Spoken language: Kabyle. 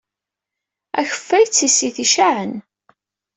Akeffay d tissit icaɛen.